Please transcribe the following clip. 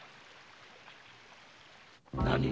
何？